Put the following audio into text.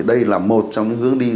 đây là một trong những hướng đi